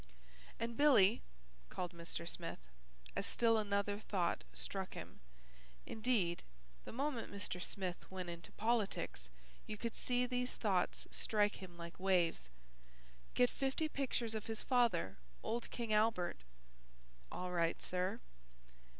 "And Billy," called Mr. Smith, as still another thought struck him (indeed, the moment Mr. Smith went into politics you could see these thoughts strike him like waves), "get fifty pictures of his father, old King Albert." "All right, sir."